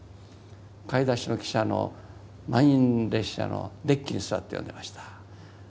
買い出しの汽車の満員列車のデッキに座って読んでました。